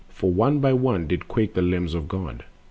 For one by one did quake the limbs of God.